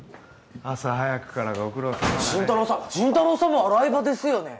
朝早くからご苦労さま新太郎さんも洗い場ですよね？